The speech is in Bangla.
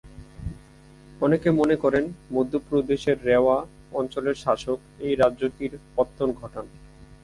অনেকে মনে করেন মধ্যপ্রদেশের রেওয়া অঞ্চলের শাসক এই রাজ্যটির পত্তন ঘটান।